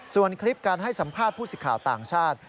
ส่วนคลิปการให้สัมภาษณ์ผู้สิทธิ์ข่าวต่างชาติ